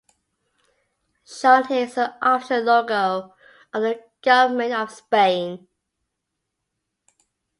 Shown here is the official logo of the Government of Spain.